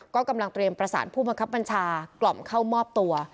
ก็กำลังเตรียมประสานผู้บังคับบัญชากล่อมเข้ามอบตัว